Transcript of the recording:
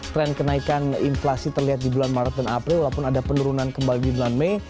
tren kenaikan inflasi terlihat di bulan maret dan april walaupun ada penurunan kembali di bulan mei